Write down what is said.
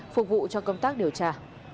phục vụ cho công tác điều tra